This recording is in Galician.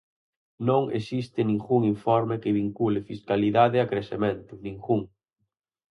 Non existe ningún informe que vincule fiscalidade a crecemento, ningún.